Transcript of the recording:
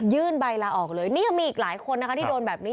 ใบลาออกเลยนี่ยังมีอีกหลายคนนะคะที่โดนแบบนี้